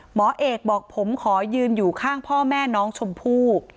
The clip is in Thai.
หมอเอกบอกผมขอยืนอยู่ข้างพ่อแม่น้องชมพู่